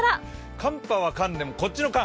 寒波はかんでもこっちのかん。